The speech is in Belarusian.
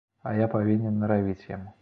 А я павінен наравіць яму.